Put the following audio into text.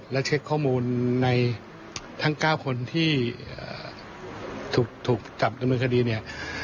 และเช็คข้อมูลในทั้ง๙คนที่ถูกจับดำเนินคดีเนี่ย